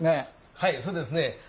はい、そうですね。